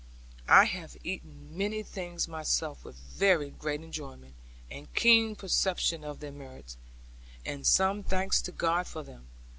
I have eaten many things myself, with very great enjoyment, and keen perception of their merits, and some thanks to God for them.